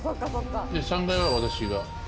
３階は私が。